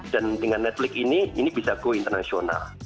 dan dengan netflix ini ini bisa go internasional